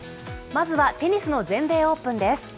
まずはテニスの全米オープンです。